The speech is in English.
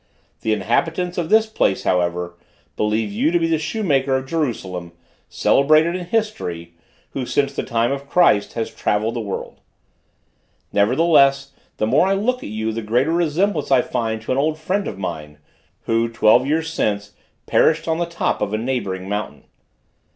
The inhabitants of this place, however, believe you to be the shoemaker of Jerusalem, celebrated in history, who, since the time of Christ, has travelled about the world. Nevertheless, the more I look at you, the greater resemblance I find to an old friend of mine, who twelve years since perished on the top of a neighboring mountain."